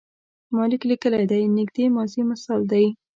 ما لیک لیکلی دی د نږدې ماضي مثال دی.